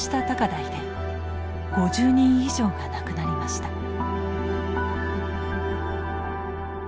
高台で５０人以上が亡くなりました。